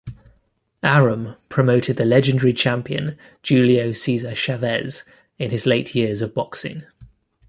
Arum promoted the legendary champion Julio Cesar Chavez in his late years of boxing.